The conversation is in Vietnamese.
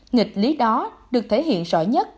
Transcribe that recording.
nghịch lý đó được thể hiện rõ nhất